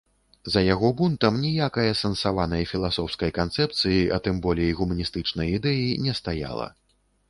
За яго бунтам ніякай асэнсаванай філасофскай канцэпцыі, а тым болей гуманістычнай ідэі не стаяла.